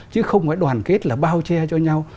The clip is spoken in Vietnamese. chứ không phải đoàn kết là bao che cho nhau